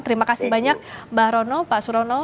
terima kasih banyak mbak rono pak surono